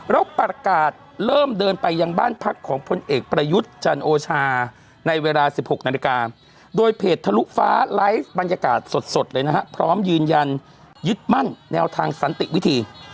แล้วประกาศเริ่มเดินไปยังบ้านพักของพลเอกประยุทธ์จันโอชาในเวลา๑๖นาฬิกาโดยเพจทะลุฟ้าไลฟ์บรรยากาศสดเลยนะฮะพร้อมยืนยันยึดมั่นแนวทางสันติวิธี